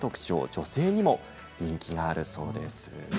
女性にも人気があるそうです。